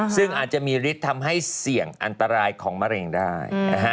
ซึ่งอาจจะมีฤทธิ์ทำให้เสี่ยงอันตรายของมะเร็งได้